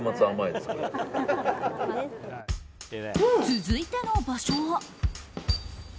続いての場所は。